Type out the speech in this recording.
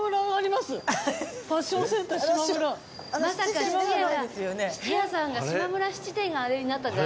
まさか質屋が質屋さんが島村質店があれになったんじゃ。